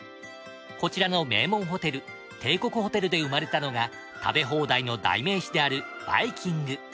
こちらの名門ホテル帝国ホテルで生まれたのが食べ放題の代名詞であるバイキング。